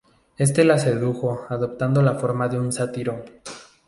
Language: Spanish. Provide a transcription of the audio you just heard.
Este la sedujo adoptando la forma de un sátiro.